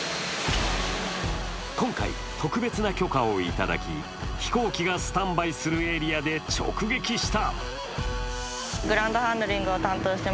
今回、特別な許可をいただき飛行機がスタンバイするエリアで直撃した。